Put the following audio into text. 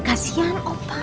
eh kasihan opa